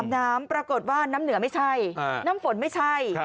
น้ำปรากฏว่าน้ำเหนือไม่ใช่น้ำฝนไม่ใช่